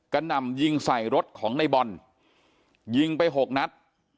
หน่ำยิงใส่รถของในบอลยิงไปหกนัด